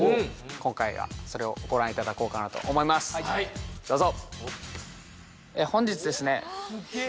今回はそれをご覧いただこうかなと思いますどうぞ！